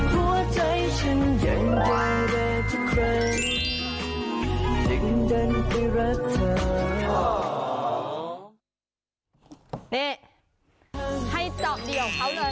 ให้เจาะดีของเขาเลย